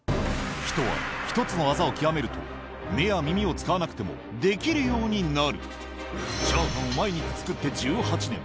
人は１つの技を極めると目や耳を使わなくてもできるようになるチャーハンを毎日作って１８年